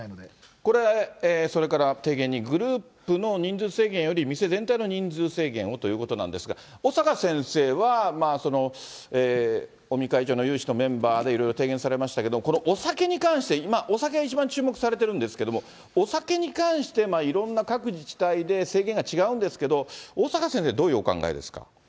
これ、それから提言に、グループの人数制限より店全体の人数制限をということなんですが、小坂先生は尾身会長の有志のメンバーでいろいろ提言されましたけど、このお酒に関して、今お酒が一番注目されてるんですけれども、お酒に関して、いろんな各自治体で制限が違うんですけど、小坂先生、どういうお考えですか。